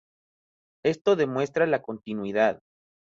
Esto demuestra la continuidad.